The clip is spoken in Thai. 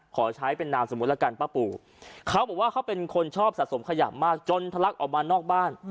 ขอใช้เป็นนามสมมุติแล้วกันป้าปูเขาบอกว่าเขาเป็นคนชอบสะสมขยะมากจนทะลักออกมานอกบ้าน